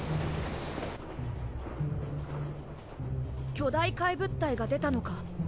巨大怪物体が出たのか！？